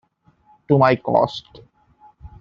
To my cost.'